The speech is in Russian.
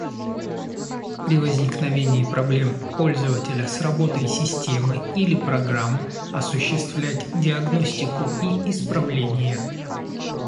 При возникновении проблем пользователя с работой системы или программ, осуществлять диагностику и исправления